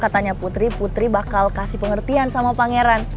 katanya putri putri bakal kasih pengertian sama pangeran